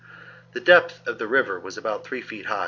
The depth of the river was about three feet.